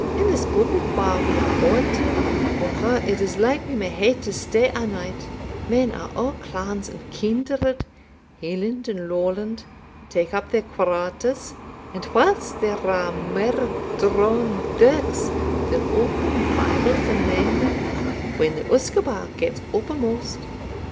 In this public whar we are gaun to, and whar it is like we may hae to stay a' night, men o' a' clans and kindred Hieland and Lawland tak up their quarters And whiles there are mair drawn dirks than open Bibles amang them, when the usquebaugh gets uppermost.